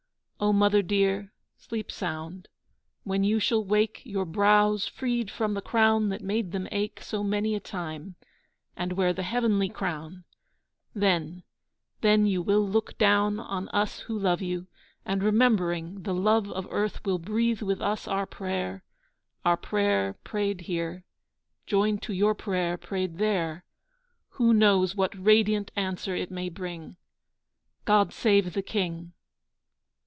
O Mother dear, sleep sound! When you shall wake, Your brows freed from the crown that made them ache So many a time, and wear the heavenly crown, Then, then you will look down On us who love you, and, remembering, The love of earth will breathe with us our prayer, Our prayer prayed here, joined to your prayer prayed there: Who knows what radiant answer it may bring? "God save the King!"